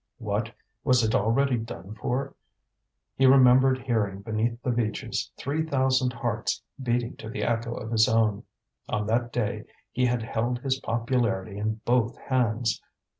What! was it already done for! He remembered hearing beneath the beeches three thousand hearts beating to the echo of his own. On that day he had held his popularity in both hands.